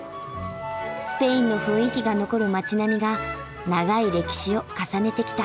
スペインの雰囲気が残る街並みが長い歴史を重ねてきた。